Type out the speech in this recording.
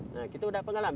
nah itu sudah pengalaman